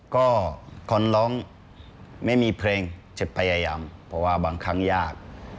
ก็คนร้องไม่มีเพลงจะพยายามเพราะว่าบางครั้งยาก